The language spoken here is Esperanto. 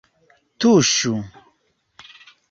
Tuŝu!